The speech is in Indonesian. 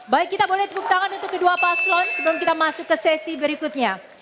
baik kita boleh tepuk tangan untuk kedua paslon sebelum kita masuk ke sesi berikutnya